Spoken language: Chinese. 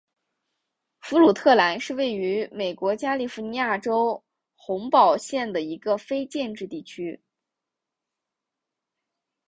弗鲁特兰是位于美国加利福尼亚州洪堡县的一个非建制地区。